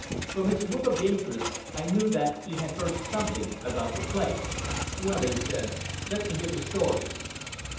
From his look of interest, I knew that he had heard something about the place. "Well," he said, "let me hear the stories."